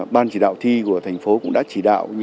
ban chỉ đạo thi của thành phố cũng đã chỉ đạo